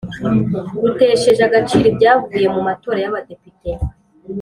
rutesheje agaciro ibyavuye mu matora y’abadepite.